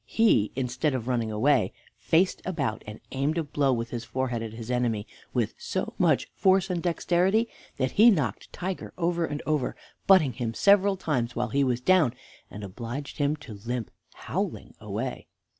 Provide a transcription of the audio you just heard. He, instead of running away, faced about and aimed a blow with his forehead at his enemy with so much force and dexterity that he knocked Tiger over and over, butting him several times while he was down, and obliged him to limp howling away.